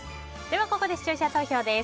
ここで視聴者投票です。